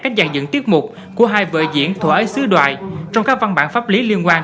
cách dàn dựng tiết mục của hai vợ diễn thùa ấy sứ đoài trong các văn bản pháp lý liên quan